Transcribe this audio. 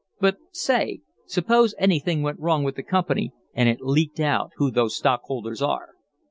But say, suppose anything went wrong with the company and it leaked out who those stockholders are?"